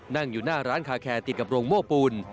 นั่งอยู่หน้าร้านคาแคร์ติดกับโรงโม่ปูน